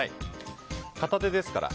片手ですから。